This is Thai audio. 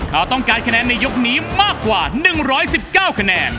เขาต้องการคะแนนในยกนี้มากกว่า๑๑๙คะแนน